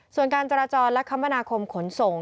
ส่วนการจราจรและคมนาคมขนส่ง